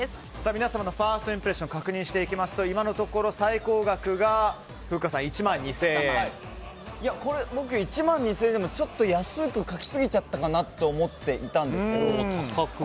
皆様のファーストインプレッション確認していきますと今のところ最高額が僕、１万２０００円でもちょっと安く書きすぎちゃったかなって思っていたんですけど。